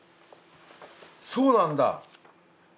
そうなんだ！